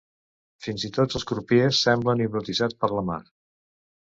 Fins i tot els crupiers semblen hipnotitzats per la Mar.